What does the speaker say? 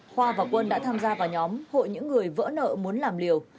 khoa và quân đã tham gia vào nhóm hội những người vỡ nợ muốn làm liều